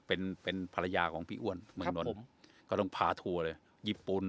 เป็นเป็นภรรยาของพี่อ้วนเมืองนนท์ก็ต้องพาทัวร์เลยญี่ปุ่น